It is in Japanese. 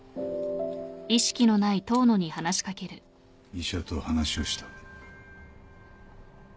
医者と話をした。